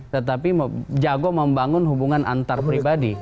tetapi jago membangun hubungan antar pribadi